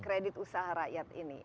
kredit usaha rakyat ini